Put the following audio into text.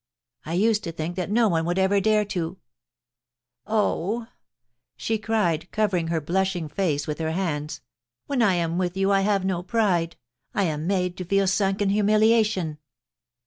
... I used to think that no one would ever dare to .... Oh !' she cried, covering her blushing face with her hands, * when I am with you I have no pride, I am made to feel sunk in humiliation.'